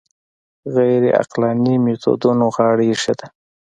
غیر عقلاني میتودونو غاړه ایښې ده